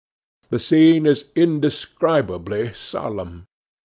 The scene is indescribably solemn.